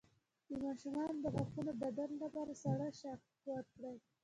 د ماشوم د غاښونو د درد لپاره سړه قاشق ورکړئ